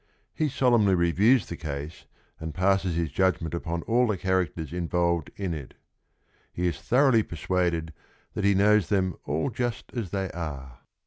He solemnly reviews the case and passes his judgment upon all the characlers involved in it — He i s thoro ughly persuaded that he knows them all just as they are.